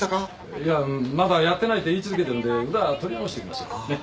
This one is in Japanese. いやまだやってないって言い続けてるんで裏取り直してきますよねっ？